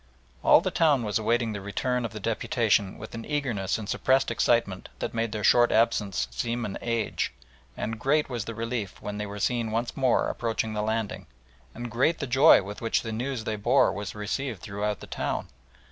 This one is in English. All the town was awaiting the return of the deputation with an eagerness and suppressed excitement that made their short absence seem an age, and great was the relief when they were seen once more approaching the landing, and great the joy with which the news they bore was received throughout the town.